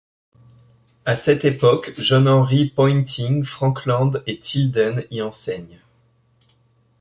À cette époque, John Henry Poynting, Frankland et Tilden y enseignent.